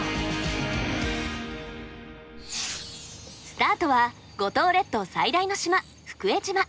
スタートは五島列島最大の島福江島。